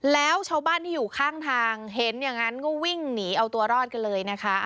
แล้วชาวบ้านที่อยู่ข้างทางเห็นอย่างนั้นก็วิ่งหนีเอาตัวรอดกันเลยนะคะ